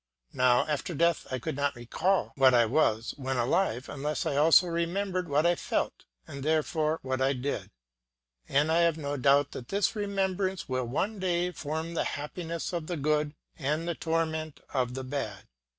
Now after death I could not recall what I was when alive unless I also remembered what I felt and therefore what I did; and I have no doubt that this remembrance will one day form the happiness of the good and the torment of the bad.